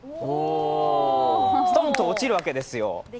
ストンと落ちるわけですよ。